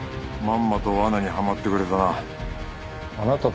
まんまと罠にはまってくれたな。